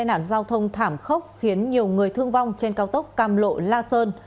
đoạn giao thông thảm khốc khiến nhiều người thương vong trên cao tốc cam lộ la sơn